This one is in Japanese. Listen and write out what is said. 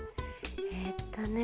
えっとね。